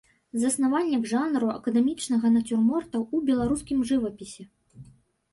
Заснавальнік жанру акадэмічнага нацюрморта ў беларускім жывапісе.